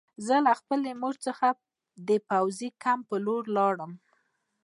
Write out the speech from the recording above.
زه له خپلې مور څخه د پوځي کمپ په لور لاړم